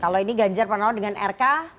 kalau ini ganjar pak muhaimin dengan rk